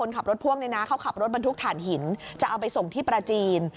ขับรถบรรทุกฐานหินจะเอาไปส่งที่ปราจีน